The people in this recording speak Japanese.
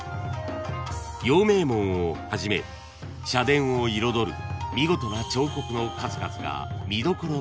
［陽明門をはじめ社殿を彩る見事な彫刻の数々が見どころの一つで］